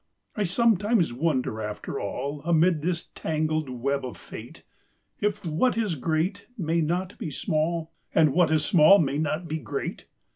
I sometimes wonder, after all, Amid this tangled web of fate, If what is great may not be small, And what is small may not be great.